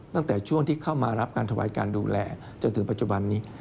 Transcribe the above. ตั้งแต่ช่วงที่เข้ามารับการถวายการดูแลจนถึงปัจจุบันนี้